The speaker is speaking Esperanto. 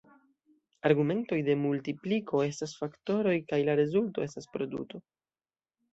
Argumentoj de multipliko estas faktoroj kaj la rezulto estas produto.